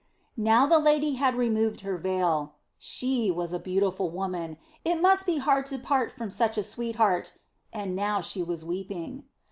Now the lady had removed her veil. She was a beautiful woman! It must be hard to part from such a sweetheart. And now she was weeping.